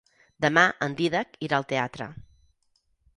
Demà en Dídac irà al teatre.